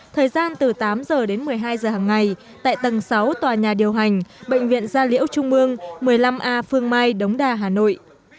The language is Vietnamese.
thời gian từ tám giờ đến một mươi hai giờ hằng ngày tại tầng sáu tòa nhà điều hành bệnh viện gia liễu trung mương một mươi năm a phương mai đống đa hà nội